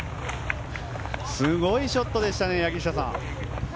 すごいショットでしたね柳下さん。